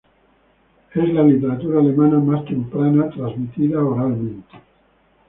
Es la literatura alemana más temprana transmitida oralmente.